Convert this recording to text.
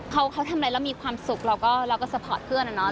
เขาทำอะไรเรามีความสุขเราก็สปอร์ตเพื่อนนะ